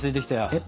えっ？